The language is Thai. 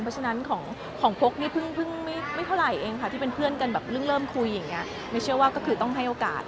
เพราะฉะนั้นของโครงพยาบาลพึ่งเลยไม่เท่าไรที่เป็นเพื่อนกันแบบเริ่มคุยใช่ไหมชั่วก็ต้องให้โอกาส